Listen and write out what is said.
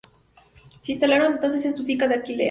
Se instalaron entonces en su finca de Aquilea.